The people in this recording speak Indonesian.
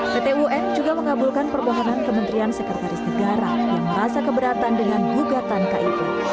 pt un juga mengabulkan permohonan kementerian sekretaris negara yang merasa keberatan dengan gugatan kip